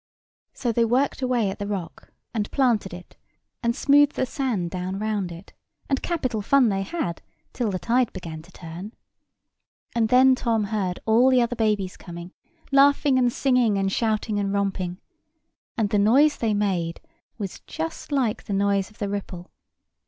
So they worked away at the rock, and planted it, and smoothed the sand down round, it, and capital fun they had till the tide began to turn. And then Tom heard all the other babies coming, laughing and singing and shouting and romping; and the noise they made was just like the noise of the ripple.